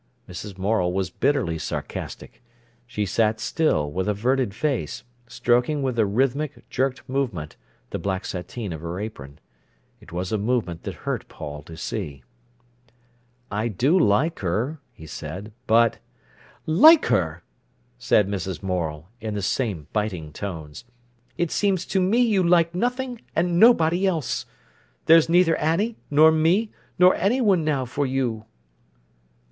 Mrs. Morel was bitterly sarcastic. She sat still, with averted face, stroking with a rhythmic, jerked movement, the black sateen of her apron. It was a movement that hurt Paul to see. "I do like her," he said, "but—" "Like her!" said Mrs. Morel, in the same biting tones. "It seems to me you like nothing and nobody else. There's neither Annie, nor me, nor anyone now for you."